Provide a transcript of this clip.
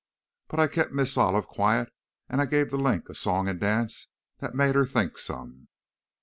But I kept Miss Olive quiet, and I gave 'The Link' a song and dance that made her think some!